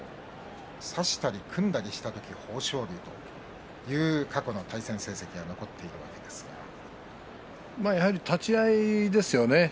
差したり組んだりした時は豊昇龍という過去の対戦成績がやはり立ち合いですよね。